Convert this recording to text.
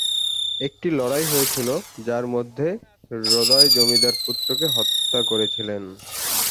একটি লড়াই হয়েছিল যার মধ্যে হ্রদয় জমিদার পুত্রকে হত্যা করেছিলেন।